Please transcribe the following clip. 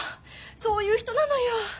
そういう人なのよ。